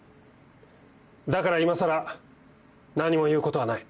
だからいまさら何も言うことはない。